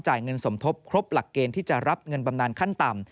เงินสมทบครบหลักเกณฑ์ที่จะรับเงินบำนานขั้นต่ำ